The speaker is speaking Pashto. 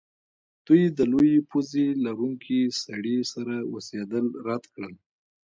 دوی د لویې پوزې لرونکي سړي سره اوسیدل رد کړل